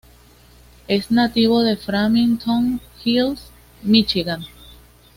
Es nativo de Farmington Hills, Michigan.